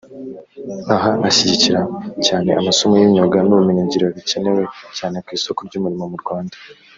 Aha ashyigikira cyane amasomo y’imyuga n’ubumenyingiro bikenewe cyane ku isoko ry’umurimo mu Rwanda